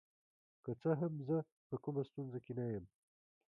که څه هم زه په کومه ستونزه کې نه یم.